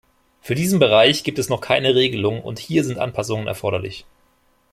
Für diesen Bereich gibt es noch keine Regelung, und hier sind Anpassungen erforderlich.